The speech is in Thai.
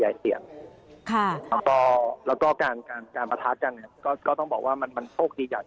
แล้วก็การประทัดกันก็ต้องบอกว่ามันโชคมีกิริยาติ